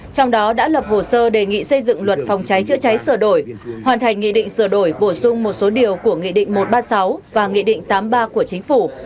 trong đó đã lập hồ sơ đề nghị xây dựng luật phòng cháy chữa cháy sửa đổi hoàn thành nghị định sửa đổi bổ sung một số điều của nghị định một trăm ba mươi sáu và nghị định tám mươi ba của chính phủ